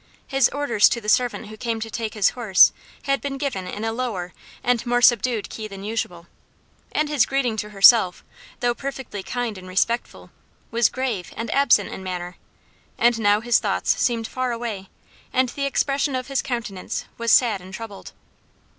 His orders to the servant who came to take his horse had been given in a lower and more subdued key than usual, and his greeting to herself, though perfectly kind and respectful, was grave and absent in manner; and now his thoughts seemed far away, and the expression of his countenance was sad and troubled.